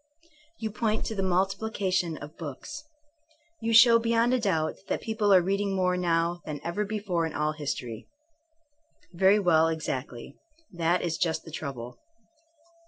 You point to the multiplication of books. You show beyond a doubt that people are reading more now than ever before in all history. ... Very well, exactly. That is just the trouble.